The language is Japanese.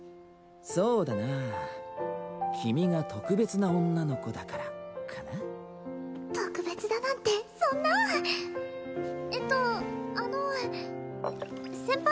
そうだなあ君が特別な女の子だからかな特別だなんてそんなえっとあの先輩